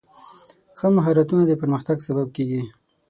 ښه مهارتونه د پرمختګ سبب کېږي.